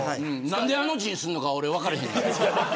何であの字にするのか分からへんけど。